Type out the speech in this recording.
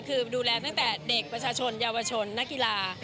คือดูแลตั้งแต่เด็กประชาชนเยาวชนนักกีฬา